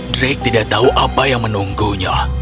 drake tidak tahu apa yang menunggunya